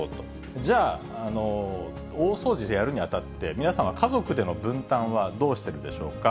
じゃあ、大掃除でやるにあたって、皆さんは家族での分担はどうしてるんでしょうか。